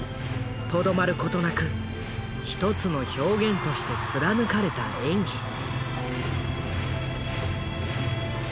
とどまることなく１つの表現として貫かれた演技。